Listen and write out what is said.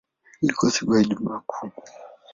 Ilikuwa siku ya Ijumaa Kuu.